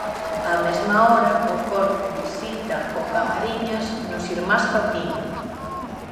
Á mesma hora, o Corme visita ao Camariñas no Irmás Patiño.